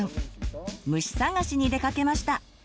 虫探しに出かけました。